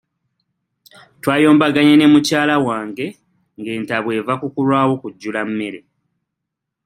Twayombaganye ne mukyala wange nga entabwe eva kukulwawo kujjula mmere.